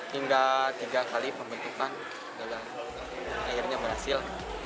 hingga tiga kali pembentukan dan akhirnya berhasil